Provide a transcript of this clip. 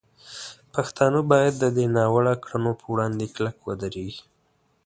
پښتانه باید د دې ناوړه کړنو په وړاندې کلک ودرېږي.